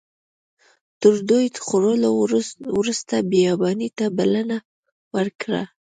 تر ډوډۍ خوړلو وروسته بیاباني ته بلنه ورکړه.